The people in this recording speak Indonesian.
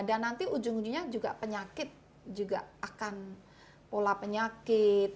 dan nanti ujung ujungnya juga penyakit juga akan pola penyakit